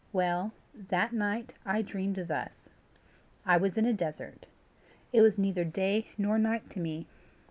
Well, that night, I dreamed thus: I was in a desert. It was neither day nor night to me.